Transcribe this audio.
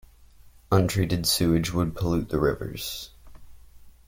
Untreated sewage would pollute the rivers.